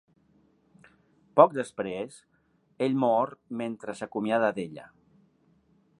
Poc després, ell mor mentre s'acomiada d'ella.